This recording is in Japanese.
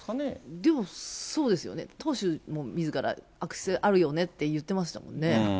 でもそうですよね、党首みずから悪質性あるよねって言ってましたもんね。